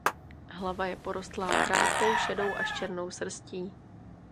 Hlava je porostlá krátkou šedou až černou srstí.